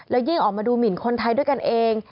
แล้วยิ่งออกมาดูหมินคนไทยด้วยกันเอง